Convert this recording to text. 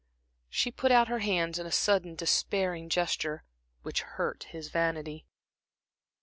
She put out her hands in a sudden, despairing gesture, which hurt his vanity.